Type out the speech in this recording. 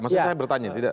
maksudnya saya bertanya